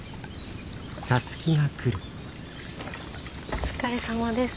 お疲れさまです。